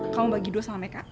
kamu bagi dua sama mereka